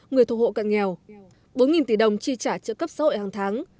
người thuộc hộ cận nghèo bốn tỷ đồng chi trả trợ cấp xã hội hàng tháng